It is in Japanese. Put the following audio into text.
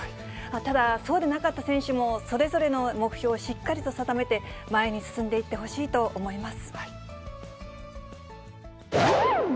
ただ、そうでなかった選手もそれぞれの目標をしっかりと定めて、前に進んでいってほしいと思います。